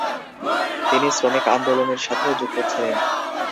তিনি শ্রমিক আন্দোলনের সাথেও যুক্ত ছিলেন।